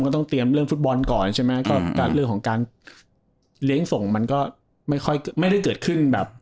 มันก็ต้องเตรียมเริ่มฟุตบอลก่อนใช่ไหมก็เรื่องของการเลี้ยงส่งมันก็ไม่ได้เกิดขึ้น